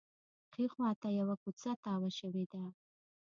ښي خوا ته یوه کوڅه تاوه شوې ده.